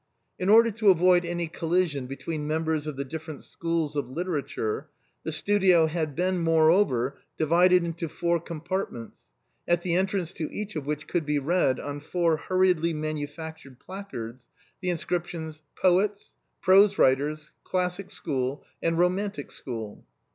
In order to avoid any collision between members of the different schools of literature, the studio had been, more over, divided into four compartments, at the entrance to each of which could be read, on four hurriedly manu 72 THE BOHEMIANS OF THE LATIN QUARTER. factured placards, the inscriptions —" Poets," " Prose Writers," " Classic School," " Komantic School."